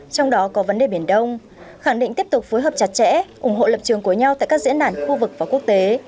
trong đó có vấn đề biển đông khẳng định tiếp tục phối hợp chặt chẽ ủng hộ lập trường của nhau tại các diễn đàn khu vực và quốc tế